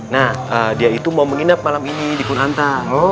nah dia itu mau menginap malam ini di punanta